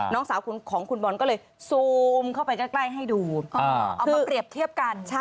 น้องสาวของคุณบอลก็เลยซูมเข้าไปใกล้ให้ดูเอามาเปรียบเทียบกัน